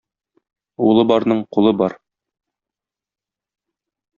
Улы барның кулы бар.